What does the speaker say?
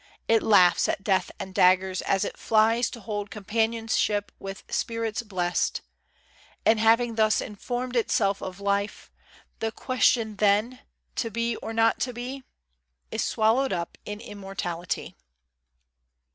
It laughs at death and daggers, as it flies To hold companionship with spirits blest; And having thus informed itself of life, The question then, "To be, or not to be?" Is swallowed up in Immortality.